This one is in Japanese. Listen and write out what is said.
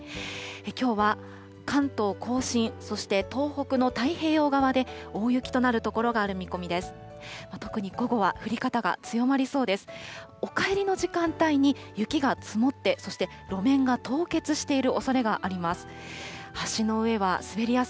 きょうは関東甲信、そして東北の太平洋側で大雪となる所がある見込みです。